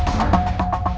kamu jangan bikin itang